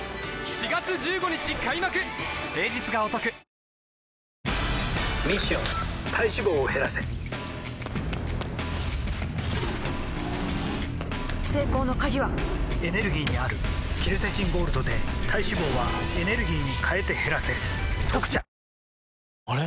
ミッション体脂肪を減らせ成功の鍵はエネルギーにあるケルセチンゴールドで体脂肪はエネルギーに変えて減らせ「特茶」あれ？